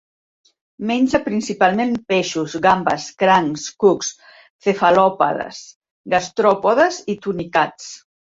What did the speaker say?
Menja principalment peixos, gambes, crancs, cucs, cefalòpodes, gastròpodes i tunicats.